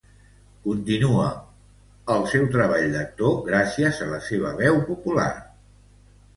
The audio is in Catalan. Contínua el seu treball d'actor gràcies a la seva veu popular.